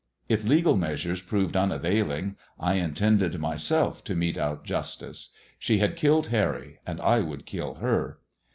If legal measures proved unavailing I intended myself to mete out justice. She had killed Harry, and I would kill her.